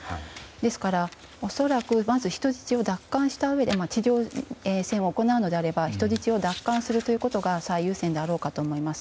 ですから、恐らくまず人質を奪還したうえで地上戦を行うなら人質を奪還するのが最優先であろうかと思います。